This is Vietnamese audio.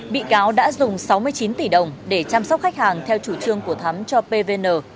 bị cáo đã dùng sáu mươi chín tỷ đồng để chăm sóc khách hàng theo chủ trương của thắm cho pvn